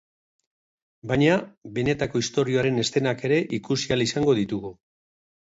Baina, benetako istorioaren eszenak ere ikusi ahal izango ditugu.